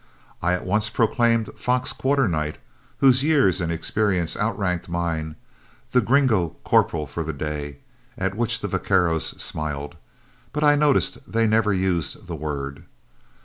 I at once proclaimed Fox Quarternight, whose years and experience outranked mine, the gringo corporal for the day, at which the vaqueros smiled, but I noticed they never used the word.